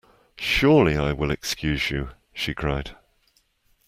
Surely I will excuse you, she cried.